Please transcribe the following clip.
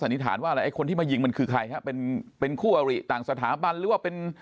สันนิษฐานว่าคนที่มายิงมันคือใครเป็นคู่อาริกต่างสถาบันหรือว่าเป็น